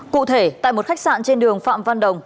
cụ thể tại một khách sạn trên đường phạm văn đồng